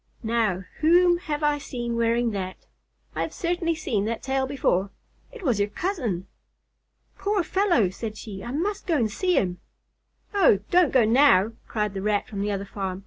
"Now, whom have I seen wearing that? I have certainly seen that tail before it was your cousin!" "Poor fellow!" said she. "I must go to see him." "Oh, don't go now," cried the Rat from the other farm.